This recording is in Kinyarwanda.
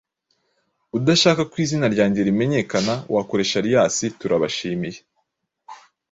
Udashaka ko izina ryany rimenyekana wakoresha alias, Turabashimiye.